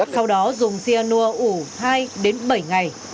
sau đó dùng xia nua ủ hai đến bảy ngày